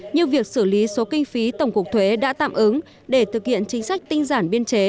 như việc xử lý số kinh phí tổng cục thuế đã tạm ứng để thực hiện chính sách tinh giản biên chế